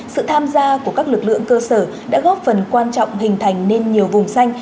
sự tham gia của các lực lượng cơ sở đã góp phần quan trọng hình thành nên nhiều vùng xanh